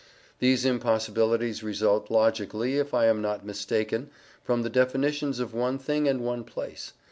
These impossibilities result logically, if I am not mistaken, from the definitions of one thing and one place.